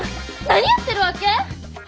何やってるわけ？